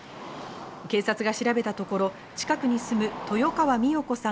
警察が調べたところ、近くに住む豊川美代子さん